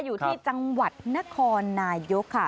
อยู่ที่จังหวัดนครนายกค่ะ